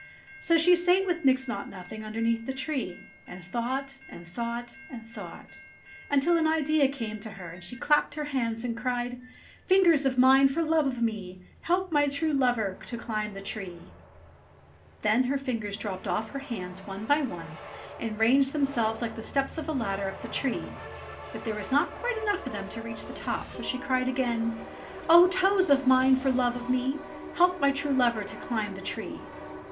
So she sate with Nix Naught Nothing underneath the tree, and thought, and thought, and thought ; until an idea came to her, and she clapped her hands and cried : "Fingers of mine, for love of me, Help my true lover to climb the tree." i86 ENGLISH FAIRY TALES Then her fingers dropped off her hands one by one and ranged themselves hke the steps of a ladder up the tree ; but there were not quite enough of them to reach the top, so she cried again : "Oh ! toes of mine, for love o' me, Help my true lover to climb the tree."